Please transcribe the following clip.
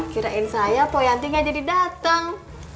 kirain saya poyanti gak jadi dateng